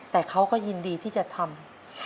แต่เขาก็ยินดีที่จะทำ